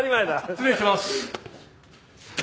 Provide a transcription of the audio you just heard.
失礼します。